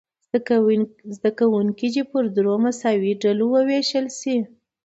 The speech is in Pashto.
زده کوونکي دې دریو مساوي ډلو وویشل شي.